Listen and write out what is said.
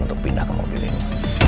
untuk pindah ke mobil ini